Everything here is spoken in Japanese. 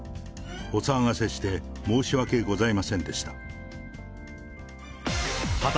お騒がせして申し訳ございませんでした。